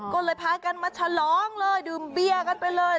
ก็เลยพากันมาฉลองเลยดื่มเบี้ยกันไปเลย